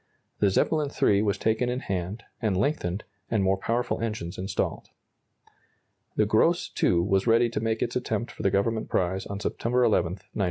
The "Zeppelin III" was taken in hand, and lengthened, and more powerful engines installed. The "Gross II" was ready to make its attempt for the Government prize on September 11, 1908.